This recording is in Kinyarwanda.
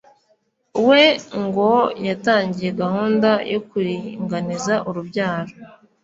we ngo yatangiye gahunda yo kuringaniza urubyaro